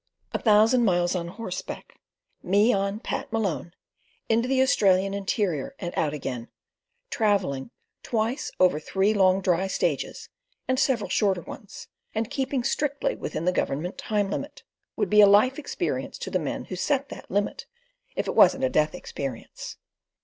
A thousand miles on horseback, "on me Pat Malone," into the Australian interior and out again, travelling twice over three long dry stages and several shorter ones, and keeping strictly within the Government time limit, would be a life experience to the men who set that limit if it wasn't a death experience.